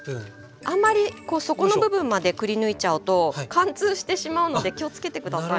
あんまり底の部分までくりぬいちゃうと貫通してしまうので気をつけて下さいね。